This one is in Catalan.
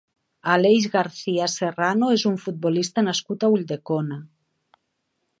Aleix García Serrano és un futbolista nascut a Ulldecona.